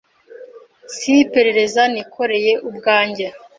Si iperereza nikoreye ubwanjye.